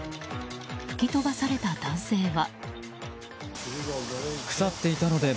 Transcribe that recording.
吹き飛ばされた男性は。